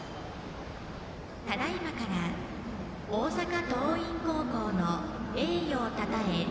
ただいまから大阪桐蔭高校の栄誉をたたえ